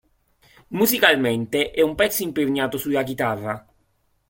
Musicalmente, è un pezzo imperniato sulla chitarra.